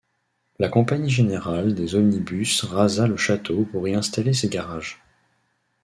La Compagnie générale des omnibus rasa le château pour y installer ses garages.